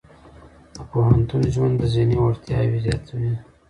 د پوهنتون ژوند د ذهني وړتیاوې زیاتوي.